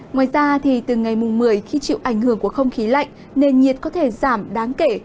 ngoài ra thì từ ngày một mươi khi chịu ảnh hưởng của không khí lạnh nền nhiệt có thể giảm đáng kể